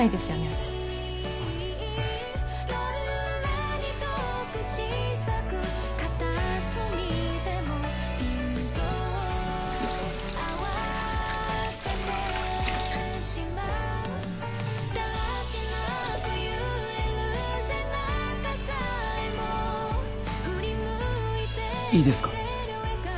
私いいですか？